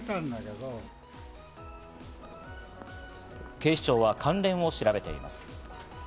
警視庁は関連を調べています。